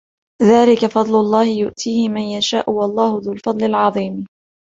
ذَلِكَ فَضْلُ اللَّهِ يُؤْتِيهِ مَنْ يَشَاءُ وَاللَّهُ ذُو الْفَضْلِ الْعَظِيمِ